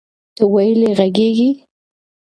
ته ویلې غږیږي؟